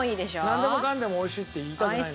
なんでもかんでも美味しいって言いたくないのよ。